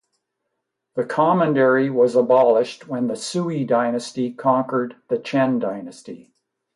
The commandery was abolished when the Sui dynasty conquered the Chen dynasty.